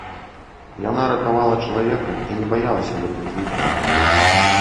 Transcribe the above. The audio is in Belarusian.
Яна ратавала чалавека і не баялася гэтых злыдняў.